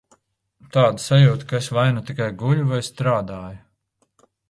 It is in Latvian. Tāda sajūta, ka es vai nu tikai guļu vai strādāju.